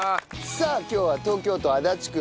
さあ今日は東京都足立区のですね